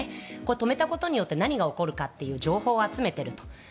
止めたことによって何が起こるかという情報を集めていると。